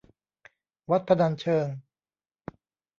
วัดพนัญเชิง